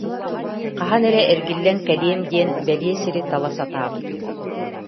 Хаһан эрэ эргиллэн кэлиэм диэн бэлиэ сири тала сатаабыт